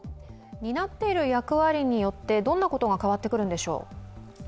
担っている役割によって、どんなことが変わってくるのでしょう？